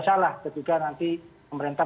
salah ketika nanti pemerintah